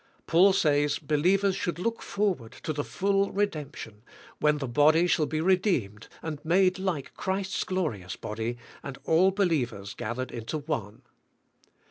Paul says, believers should look forward to the full redemption, when the body shall be redeemed and made like Christ's glorious body, and all believers gathered into one.